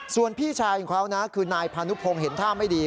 ส่วนพี่ชายของเขานะคือนายพานุพงศ์เห็นท่าไม่ดี